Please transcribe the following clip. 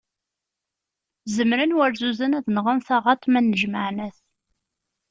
Zemren warzuzen ad nɣen taɣaṭ ma nnejmaɛen-as.